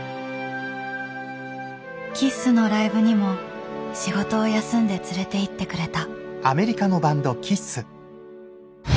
ＫＩＳＳのライブにも仕事を休んで連れていってくれた。